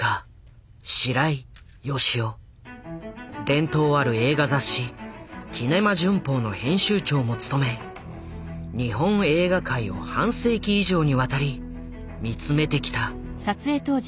伝統ある映画雑誌「キネマ旬報」の編集長も務め日本映画界を半世紀以上にわたり見つめてきた。